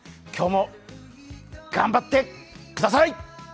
今日も頑張ってください！